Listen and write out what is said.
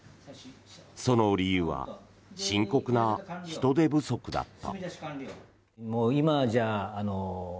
その理由は深刻な人手不足だった。